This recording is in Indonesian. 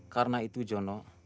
karena itu jono